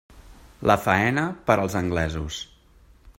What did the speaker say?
La faena, per als anglesos.